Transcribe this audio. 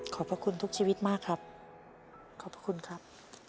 พระคุณทุกชีวิตมากครับขอบพระคุณครับ